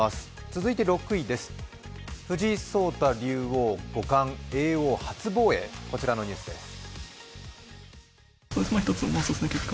続いて６位です、藤井聡太五冠、叡王初防衛、こちらのニュースです。